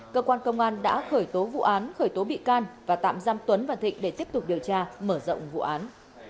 cơ quan công an đã khởi tố vụ án khởi tố bị can và tạm giam tuấn và thịnh để tiếp tục điều tra mở rộng vụ án